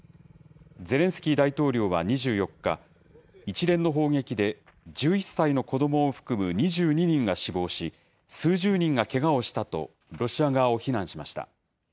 ゼレンスキー大統領は２４日、一連の砲撃で１１歳の子どもを含む２２人が死亡し、数十人がけがをしたとロシア側を非難しました。